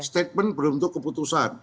statement belum tentu keputusan